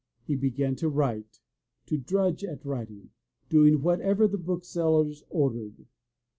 He began to write, to drudge at writing, doing whatever the booksellers ordered.